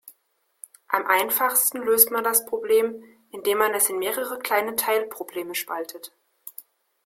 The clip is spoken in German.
Am einfachsten löst man das Problem, indem man es in mehrere kleine Teilprobleme spaltet.